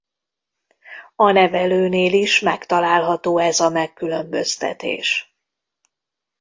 A nevelőnél is megtalálható ez a megkülönböztetés.